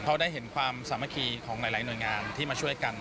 เขาได้เห็นความสามัคคีของหลายหน่วยงานที่มาช่วยกัน